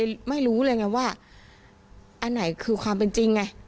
ใช่ค่ะก็เลยไม่รู้เลยไงว่าอันไหนคือความเป็นจริงไง